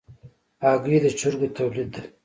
هګۍ د چرګو تولید ده.